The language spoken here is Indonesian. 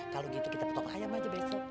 kalau begitu kita potong ayam saja berikut